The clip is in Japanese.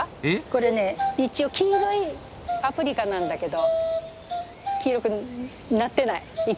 これね一応黄色いパプリカなんだけど黄色くなってない一個も。